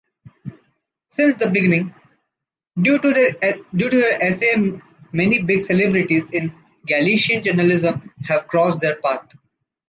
Since the beginning, due to their essay many big celebrities in Galician journalism have crossed their path.